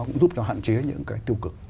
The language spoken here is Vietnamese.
cũng giúp hạn chế những cái tiêu cực